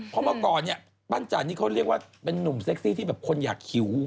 เพราะเมื่อก่อนเนี่ยปั้นจันนี่เขาเรียกว่าเป็นนุ่มเซ็กซี่ที่แบบคนอยากหิว